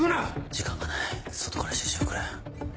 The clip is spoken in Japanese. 時間がない外から指示をくれ。